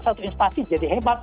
satu instasi jadi hebat